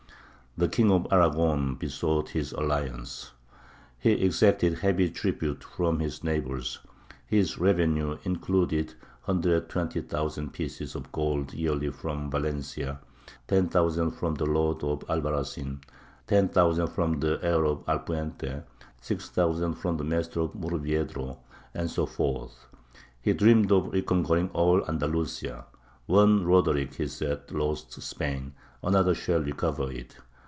The King of Aragon besought his alliance. He exacted heavy tribute from his neighbours; his revenue included 120,000 pieces of gold yearly from Valencia, 10,000 from the lord of Albarracin, 10,000 from the heir of Alpuente, 6,000 from the Master of Murviedro, and so forth. He dreamed of reconquering all Andalusia. "One Roderick," he said, "lost Spain; another shall recover it."